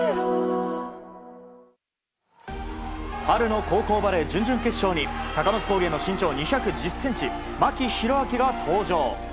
春の高校バレー準々決勝に高松工芸の身長２１０ｃｍ牧大晃が登場。